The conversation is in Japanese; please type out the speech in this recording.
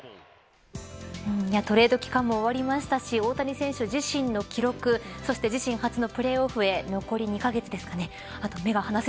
トレード期間も終わりましたし大谷選手自身の記録そして自身初のプレーオフへ残り２カ月ですね。